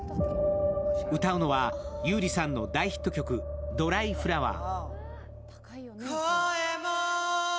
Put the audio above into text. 歌うのは、優里さんの大ヒット曲「ドライフラワー」。